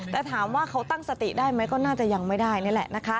แต่ถามว่าเขาตั้งสติได้ไหมก็น่าจะยังไม่ได้นี่แหละนะคะ